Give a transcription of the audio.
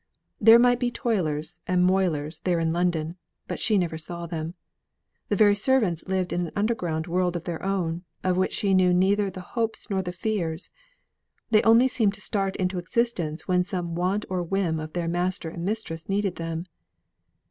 There might be toilers and moilers there in London, but she never saw them; the very servants lived in an underground world of their own, of which she knew neither the hopes nor the fears; they only seemed to start into existence when some want or whim of their master and mistress needed them.